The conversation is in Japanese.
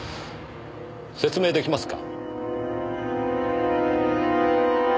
説明出来ますか？